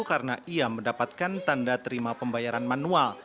karena ia mendapatkan tanda terima pembayaran manual